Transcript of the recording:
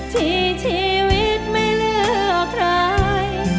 ที่ชีวิตไม่เหลือใคร